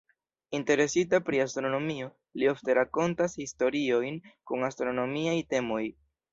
Interesita pri astronomio, li ofte rakontas historiojn kun astronomiaj temoj.